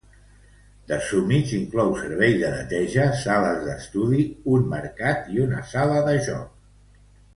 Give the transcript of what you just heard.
The Summits inclou serveis de neteja, sales d'estudi, un mercat i una sala de jocs.